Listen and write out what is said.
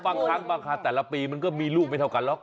บางครั้งบางคราแต่ละปีมันก็มีลูกไม่เท่ากันหรอก